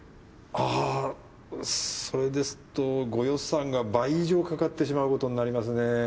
あそれですとご予算が倍以上かかってしまうことになりますね。